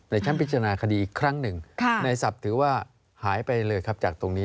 ในชั้นพิจารณาคดีอีกครั้งหนึ่งในศัพท์ถือว่าหายไปเลยครับ